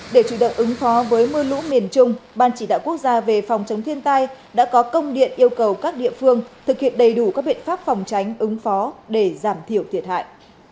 để chủ động ứng phó với mưa lũ miền trung ban chỉ đạo quốc gia về phòng chống thiên tai đã có công điện yêu cầu các địa phương thực hiện đầy đủ các biện pháp phòng tránh ứng phó để giảm thiểu thiệt hại